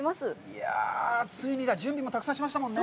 いや、ついに、準備もたくさんしましたもんね。